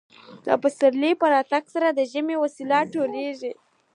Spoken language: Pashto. د پسرلي په راتګ سره د ژمي وسایل ټول کیږي